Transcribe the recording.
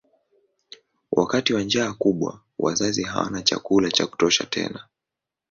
Wakati wa njaa kubwa wazazi hawana chakula cha kutosha tena.